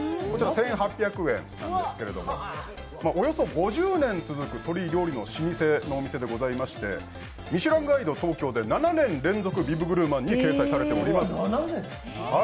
こちら１８００円なんですけれどもおよそ５０年続く鶏料理の老舗のお店でございまして、ミシュランガイド東京で７年連続ビブグルマンに掲載されています。